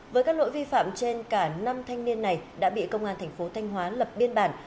với các nội vi phạm trên cả năm thanh niên này đã bị công an tp thanh hóa lập biên bản